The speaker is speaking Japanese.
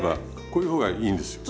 こういう方がいいんですよ。